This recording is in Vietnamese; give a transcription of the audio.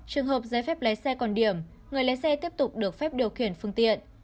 trường hợp giấy phép lái xe còn điểm người lái xe tiếp tục được phép điều khiển phương tiện